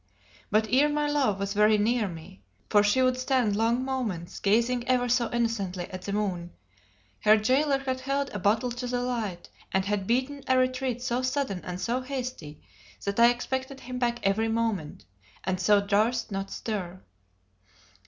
But ere my love was very near me (for she would stand long moments gazing ever so innocently at the moon), her jailer had held a bottle to the light, and had beaten a retreat so sudden and so hasty that I expected him back every moment, and so durst not stir.